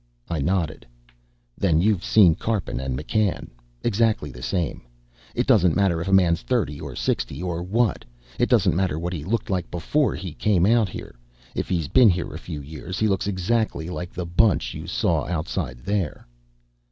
I nodded. "Then you've seen Karpin and McCann. Exactly the same. It doesn't matter if a man's thirty or sixty or what. It doesn't matter what he was like before he came out here. If he's been here a few years, he looks exactly like the bunch you saw outside there."